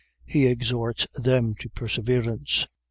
He exhorts them to perseverance.